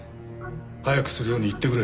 早くするように言ってくれ。